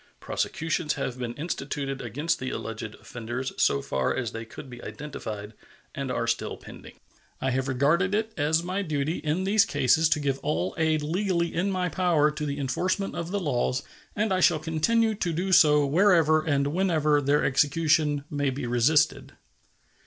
Prosecutions have been instituted against the alleged offenders so far as they could be identified, and are still pending. I have regarded it as my duty in these cases to give all aid legally in my power to the enforcement of the laws, and I shall continue to do so wherever and whenever their execution may be resisted.